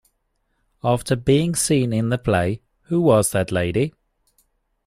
After being seen in the play Who Was That Lady?